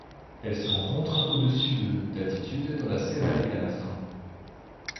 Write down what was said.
Elle se rencontre au-dessus de d'altitude dans la serra da Canastra.